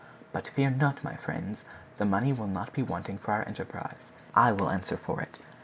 But fear not, my friends; the money will not be wanting for our enterprise. I will answer for it.